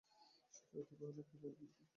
সুচরিতা কহিল, কী ভাই ললিতা!